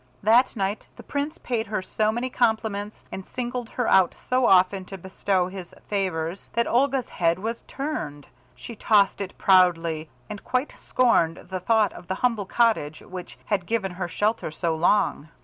That night the Prince paid her so many compliments and singled her out so often to bestow his favours, that Olga's head was turned. She tossed it proudly, and quite scorned the thought of the humble cottage which had given her shelter so long.